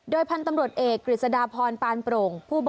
พันธุ์ตำรวจเอกกฤษฎาพรปานโปร่ง